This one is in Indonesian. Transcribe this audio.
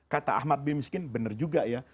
kata ahmad bin miskin bener juga ya